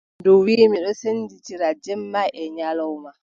Ndu wii: mi ɗon sendindira jemma bee nyalawma.